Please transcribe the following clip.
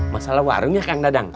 masalah warungnya kang dadang